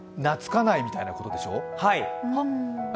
懐かないみたいなことでしょう？